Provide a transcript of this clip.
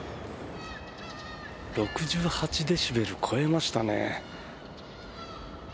デシベル超えましたね。